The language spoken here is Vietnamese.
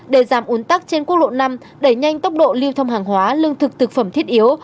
để giảm uốn tắc trên quốc lộ năm đẩy nhanh tốc độ lưu thông hàng hóa lương thực thực phẩm thiết yếu